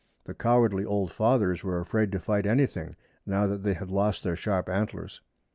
The cowardly old fathers were afraid to fight anything, now that they had lost their sharp antlers.